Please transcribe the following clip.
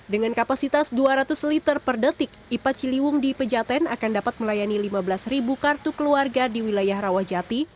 dengan kapasitas dua ratus liter per detik ipat ciliwung di pejaten akan dapat melayani lima belas ribu kartu keluarga di wilayah rawajati